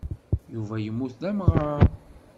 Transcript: Yuba yemmut d amɣar.